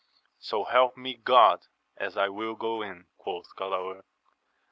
So help me God as I vrill go in I quoth Galaor.